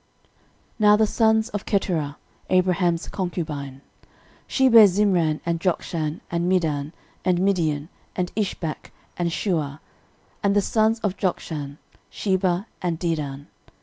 13:001:032 Now the sons of Keturah, Abraham's concubine: she bare Zimran, and Jokshan, and Medan, and Midian, and Ishbak, and Shuah. And the sons of Jokshan; Sheba, and Dedan.